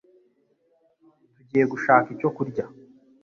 Tugiye gushaka icyo kurya.